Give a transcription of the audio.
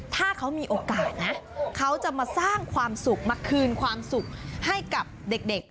ถ้าเขามีโอกาสนะเขาจะมาสร้างความสุขมาคืนความสุขให้กับเด็ก